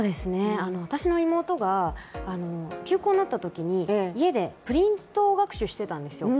私の妹が、休校になったときに家でプリント学習をしていたんですよ。